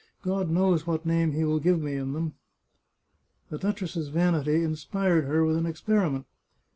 God knows what name he will give me in them !" The duchess's vanity inspired her with an experiment.